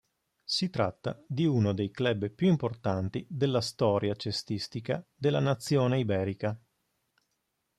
Si tratta di uno dei club più importanti della storia cestistica della nazione iberica.